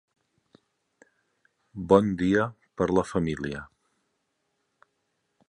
Bon dia per la família.